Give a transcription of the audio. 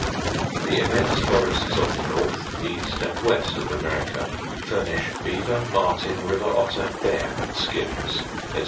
74. The immense forests of the north, east, and west of America furnish beaver, marten, river otter, bear skins, &c.